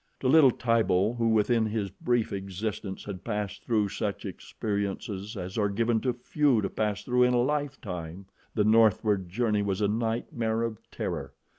To little Tibo, who within his brief existence had passed through such experiences as are given to few to pass through in a lifetime, the northward journey was a nightmare of terror.